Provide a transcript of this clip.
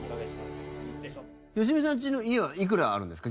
良純さん家の家はいくらあるんですか？